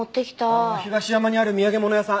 東山にある土産物屋さん！